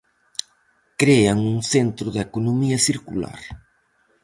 Crean un Centro de Economía Circular.